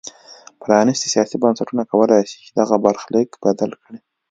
پرانیستي سیاسي بنسټونه کولای شي چې دغه برخلیک بدل کړي.